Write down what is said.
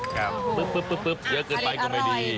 ครับอันซีนอาร่อยเยอะเกินไปกว่าไม่ดี